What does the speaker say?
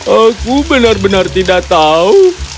aku benar benar tidak tahu